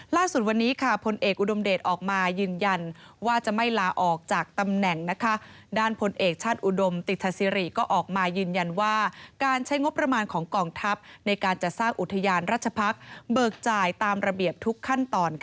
ล่าสุดวันนี้ค่ะพลเอกอุดมเดชออกมายืนยันว่าจะไม่ลาออกจากตำแหน่งด้านพลเอกชาติอุดมติธสิริก็ออกมายืนยันว่าการใช้งบประมาณของกองทัพในการจัดสร้างอุทยานราชพักษ์เบิกจ่ายตามระเบียบทุกขั้นตอน